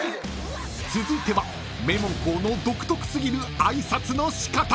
［続いては名門校の独特すぎる挨拶のしかた］